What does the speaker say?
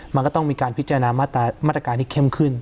มันก็ต้องมีการพิจารณามาตรการที่เข้มขึ้น